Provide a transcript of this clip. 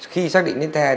khi xác định theo